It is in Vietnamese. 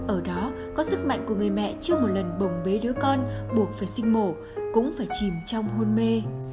ở đó có sức mạnh của người mẹ chưa một lần bồng bế đứa con buộc phải sinh mổ cũng phải chìm trong hôn mê